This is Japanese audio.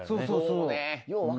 そうそうそう。